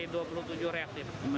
dua puluh tujuh reaktif